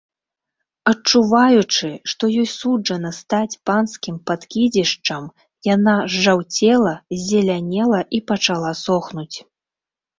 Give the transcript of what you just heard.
Адчуваючы, што ёй суджана стаць панскім пакідзішчам, яна зжаўцела, ззелянела і пачала сохнуць.